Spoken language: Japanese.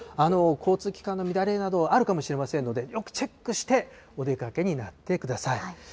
交通機関の乱れなどあるかもしれませんので、よくチェックしてお出かけになってください。